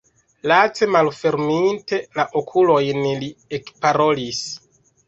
Lace malferminte la okulojn, li ekparolis: